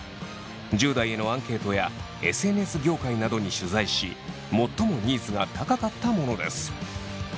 １０代へのアンケートやＳＮＳ業界などに取材し最もニーズが高かったものです。